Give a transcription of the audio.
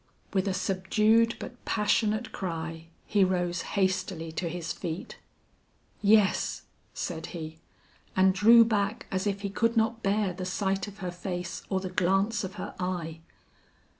With a subdued but passionate cry he rose hastily to his feet. "Yes," said he, and drew back as if he could not bear the sight of her face or the glance of her eye.